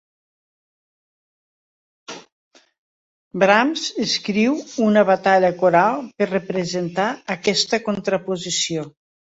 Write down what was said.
Brahms escriu una batalla coral per representar aquesta contraposició.